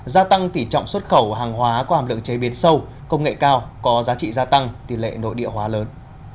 gia tăng tỉ trọng xuất khẩu hàng hóa có hàm lượng chế biến sâu công nghệ cao có giá trị gia tăng tỷ lệ nội địa hóa lớn